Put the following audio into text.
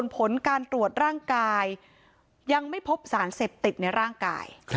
ผลการตรวจร่างกายยังไม่พบสารเสพติดในร่างกาย